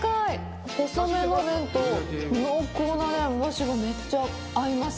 細めの麺と濃厚なお出汁がめっちゃ合います。